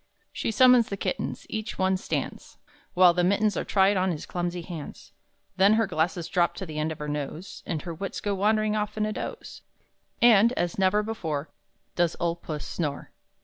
She summons the kittens; each one stands While the mittens are tried on his clumsy hands; Then her glasses drop to the end of her nose, And her wits go wandering off in a doze, And as never before, Does old Puss snore!